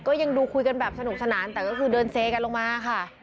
ก็ยังดูคุยกันแบบสนุกสนานแต่ก็คือเดินเซกันลงมาค่ะ